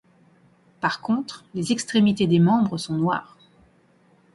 Par contre les extrémités des membres sont noires.